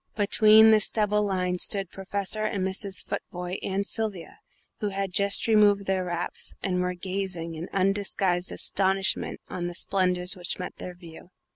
Between this double line stood Professor and Mrs. Futvoye and Sylvia, who had just removed their wraps and were gazing in undisguised astonishment on the splendours which met their view.